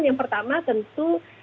yang pertama tentu